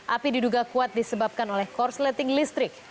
api diduga kuat disebabkan oleh korsleting listrik